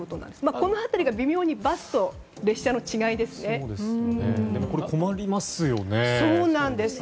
この辺りが微妙にバスと列車の違いですね。